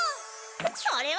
それは。